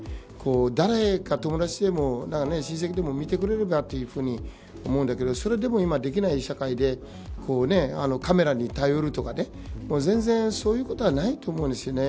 誰か友達でも親戚でも見てくれればと思うんだけどそれでも、今できない社会でカメラに頼るとか全然そういうことはないと思うんですよね。